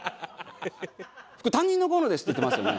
「副“担任”のコウノです」って言ってますよね？